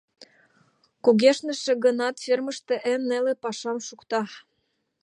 Кугешныше гынат, фермыште эн неле пашам шукта.